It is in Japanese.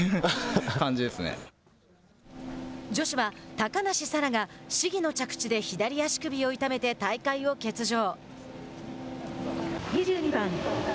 女子は高梨沙羅が試技の着地で左足首を痛めて大会を欠場。